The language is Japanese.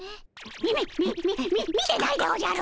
みみっみみみ見てないでおじゃる。